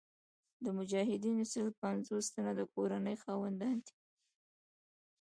د مجاهدینو سل پنځوس تنه د کورنۍ خاوندان دي.